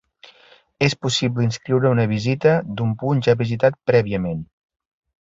És possible inscriure una visita d'un punt ja visitat prèviament.